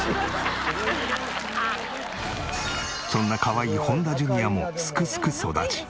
そんなかわいい本田ジュニアもすくすく育ち